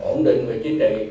ổn định về chính trị